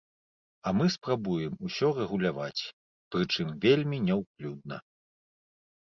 А мы спрабуем усё рэгуляваць, прычым вельмі няўклюдна.